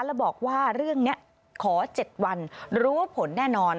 แล้วบอกว่าเรื่องนี้ขอ๗วันรู้ผลแน่นอน